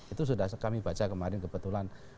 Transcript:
itu sudah kami baca kemarin kebetulan